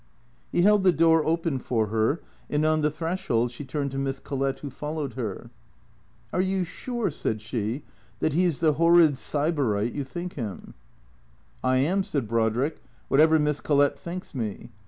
He held the door open for her, and on the threshold she turned to Miss Collett who followed her. " Are you sure," said she, " that he 's the horrid Sybarite you think him ?" 160 THECEEATOES " I am," said Brodrick, " whatever Miss Collett thinks me.